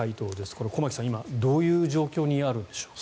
これ、駒木さん、今どういう状況にあるんでしょうか。